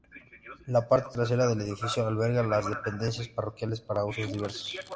La parte trasera del edificio alberga las dependencias parroquiales para usos diversos.